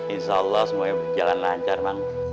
insya allah semuanya berjalan lancar bang